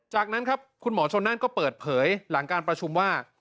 จากนั้นครับคุณหมอชนนั่นก็เปิดเผยหลังการประชุมว่า